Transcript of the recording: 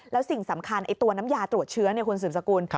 แล้วสิ่งสำคัญตัวน้ำยาตรวจเชื้อคุณสืบสกุล